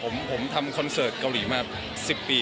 คุณแม่น้องให้โอกาสดาราคนในผมไปเจอคุณแม่น้องให้โอกาสดาราคนในผมไปเจอ